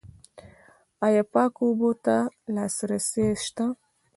آیا پاکو اوبو ته لاسرسی شته؟